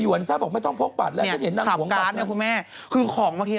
อ๋อเป็นสแกนได้เลยไม่ต้องโพกบัดแล้วใช่มีสแกนก็มีนี้